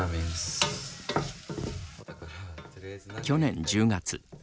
去年１０月。